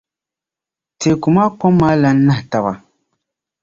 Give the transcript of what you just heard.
teeku maa kom maa lan nahi taba.